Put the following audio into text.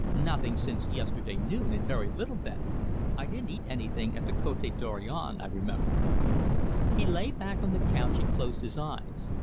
"Nothing, since yesterday noon, and very little then. I didn't eat anything at the Cote Dorion, I remember." He lay back on the couch and closed his eyes.